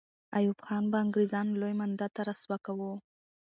ایوب خان به انګریزان لوی مانده ته را سوه کاوه.